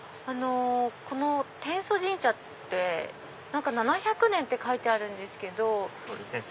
この天祖神社って７００年って書いてあるんですけど。